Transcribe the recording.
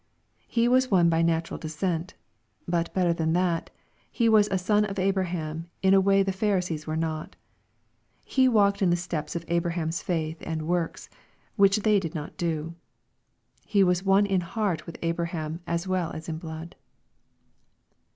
He was one by natural descent;; Hut better than that, he was a son of Abraham in a way the Pharisees were^St He walked in the steps of Abraham's faith and works, Which they did not do. He was one in heart with Abraham as well as in blood.